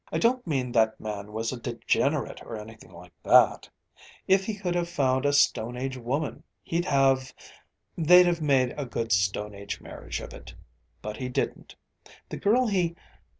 I don't mean that man was a degenerate or anything like that ... if he could have found a Stone Age woman he'd have ... they'd have made a good Stone Age marriage of it. But he didn't, the girl he...."